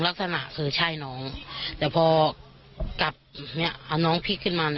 ลักษณะคือใช่น้องแต่พอกลับเอาน้องพลิกขึ้นมา